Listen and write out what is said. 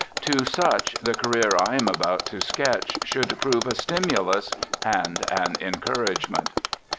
To such the career I am about to sketch should prove a stimulus and an encouragement.